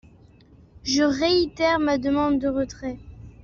Je réitère ma demande de retrait.